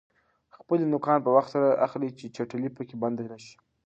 خپلې نوکان په وخت سره اخلئ چې چټلي پکې بنده نشي.